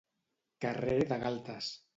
Carrer de galtes.